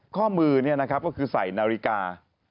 ข้อมือก็คือใส่นาฬิกา